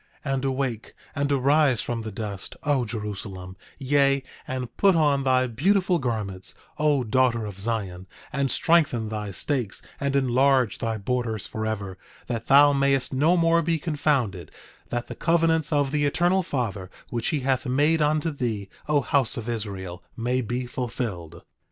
10:31 And awake, and arise from the dust, O Jerusalem; yea, and put on thy beautiful garments, O daughter of Zion; and strengthen thy stakes and enlarge thy borders forever, that thou mayest no more be confounded, that the covenants of the Eternal Father which he hath made unto thee, O house of Israel, may be fulfilled.